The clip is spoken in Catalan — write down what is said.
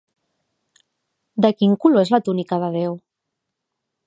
De quin color és la túnica de Déu?